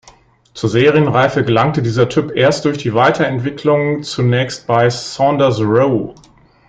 Zur Serienreife gelangte dieser Typ erst durch die Weiterentwicklung zunächst bei Saunders-Roe.